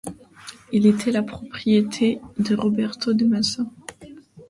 Il était la propriété de Roberto de Massa.